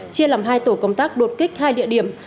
chia làm hai tổ công tác đột kích hai địa điểm